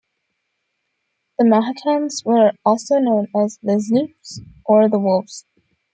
The Mahicans were also known as "Les Loups" or "The Wolves.